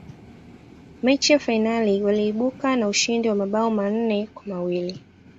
mechi ya fainali waliibuka na ushindi wa mabao manne kwa mawili